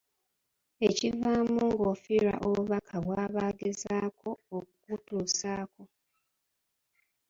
Ekivaamu ng'ofiirwa obubaka bw'aba agezaako okukutuusaako.